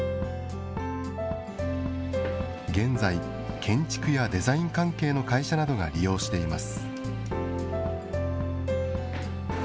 現在、建築やデザイン関係の会社などが利用しています。